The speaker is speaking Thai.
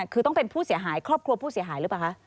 คือต้องเป็นผู้เสียหายครอบครัวผู้เสียหายหรือเปล่าคะ